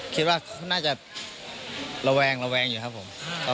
คิดว่าน่าจะระแวงระแวงอยู่ครับผม